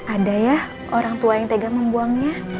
ada ya orang tua yang tega membuangnya